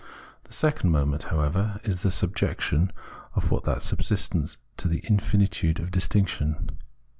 The second moment, however, is the subjection of that subsistence to the infinitude of distinction.